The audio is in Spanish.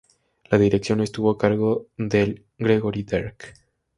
La dirección estuvo a cargo del Gregory Dark.